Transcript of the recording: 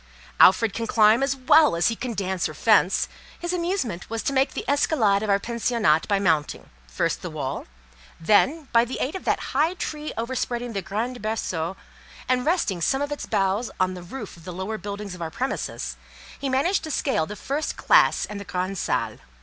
Alfred can climb as well as he can dance or fence: his amusement was to make the escalade of our pensionnat by mounting, first the wall; then—by the aid of that high tree overspreading the grand berceau, and resting some of its boughs on the roof of the lower buildings of our premises—he managed to scale the first classe and the grand salle.